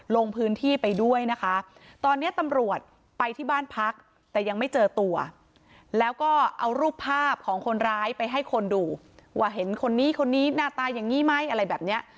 ลงพื้นที่ไปด้วยนะคะตอนนี้ตำรวจไปที่บ้านพักแต่ยังไม่เจอตัวแล้วก็เอารูปภาพของคนร้ายไปให้คนดูว่าเห็นคนนี้คนนี้หน้าตาอย่างนี้ไหมอะไรแบบเนี้ย